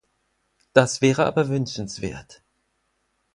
Das wäre aber wünschenswert!